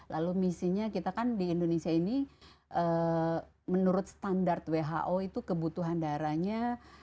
lalu misinya kita kan di indonesia ini menurut standar who itu kebutuhan darahnya